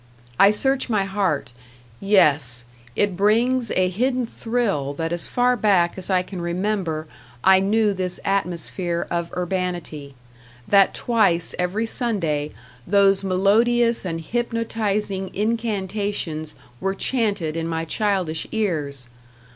I search my heart; yes, it brings a hidden thrill that as far back as I can remember I knew this atmosphere of urbanity, that twice every Sunday those melodious and hypnotizing incantations were chanted in my childish ears!